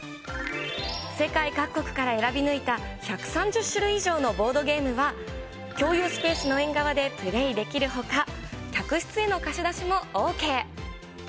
世界各国から選び抜いた１３０種類以上のボードゲームが共有スペースの縁側でプレイできるほか、客室への貸し出しもＯＫ。